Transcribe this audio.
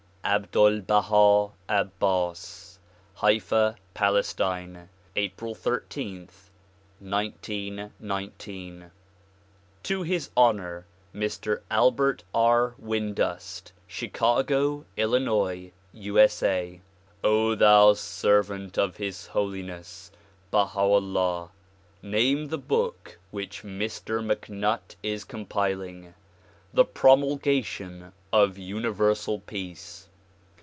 Abdul Baha Abbas. (Haifa, Palestine, April 13, 1919.) To his honor Mr. Albert R. Windust, Chicago, Illinois, U. S. A. O thou servant of His Holiness Baiia'Ullah! Name the book which Mr. MacNutt is compiling "The Promulgation of Universal Peace."